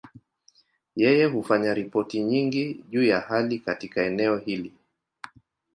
Yeye hufanya ripoti nyingi juu ya hali katika eneo hili.